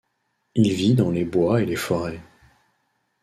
Il vit dans les bois et les forêts.